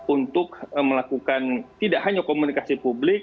untuk melakukan tidak hanya komunikasi publik